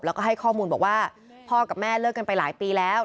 แล้วก็ให้ข้อมูลบอกว่าพ่อกับแม่เลิกกันไปหลายปีแล้ว